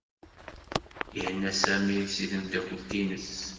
Ihenna Sami seg tmeddakelt-nnes.